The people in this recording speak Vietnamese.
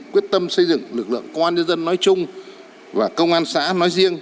quyết tâm xây dựng lực lượng công an nhân dân nói chung và công an xã nói riêng